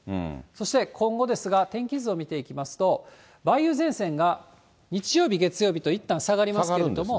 そして今後ですが、天気図を見ていきますと、梅雨前線が、日曜日、月曜日といったん下がりますけれども、